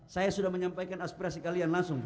saya sudah menyampaikan aspirasi kalian langsung